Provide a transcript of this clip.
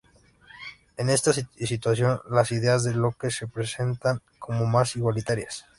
En esta situación las ideas de Locke se presentan como más igualitarias.